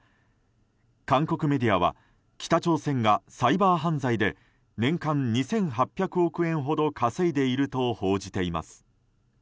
韓国メディアは北朝鮮がサイバー犯罪で年間２８００億円ほど稼いでいると報じています。